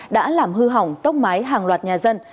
đã làm hư hỏng tốc mái hàng loạt nhà dân